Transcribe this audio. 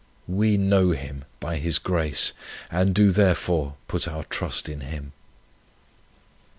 We know Him, by His grace, and do therefore put our trust in Him.